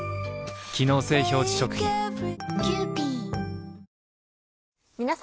機能性表示食品皆様。